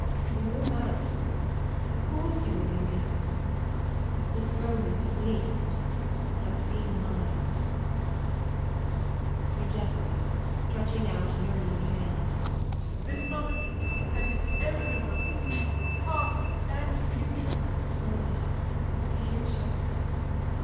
You will marry of course you will marry but this moment, at least, has been mine. SIR GEOFFREY. [Stretching out yearning hands.] This moment, and every moment, in past and future! LADY TORMINSTER. Ah, the future!